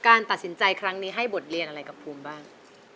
การตัดสินใจครั้งนี้ให้บทเรียนอะไรกับภูมิบ้าง